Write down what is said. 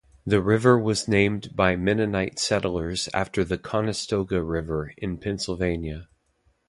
The river was named by Mennonite settlers after the Conestoga River in Pennsylvania.